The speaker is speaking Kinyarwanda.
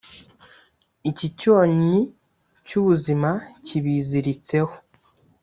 Icyi cyonnyi cy'ubuzima kibiziritseho